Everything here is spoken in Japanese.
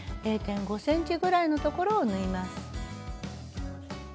０．５ｃｍぐらいの所を縫います。